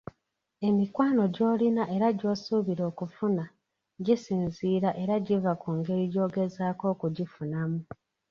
Emikwano gy’olina era gy’osuubira okufuna gisinziira era giva ku ngeri gy’ogezaako okugifunamu.